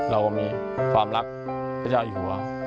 เรามีความรักพระเจ้าอยู่หัว